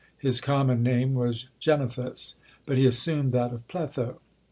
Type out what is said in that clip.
His common name was Gemisthus, but he assumed that of Pletho.